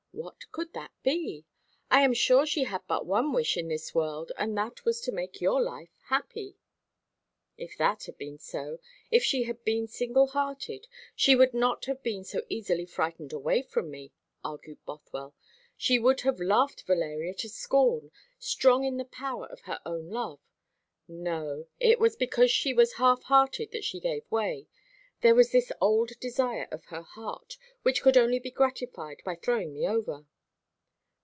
"What could that be? I am sure she had but one wish in this world, and that was to make your life happy." "If that had been so, if she had been single hearted, she would not have been so easily frightened away from me," argued Bothwell. "She would have laughed Valeria to scorn, strong in the power of her own love. No, it was because she was half hearted that she gave way. There was this old desire of her heart, which could only be gratified by throwing me over."